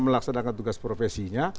melaksanakan tugas profesinya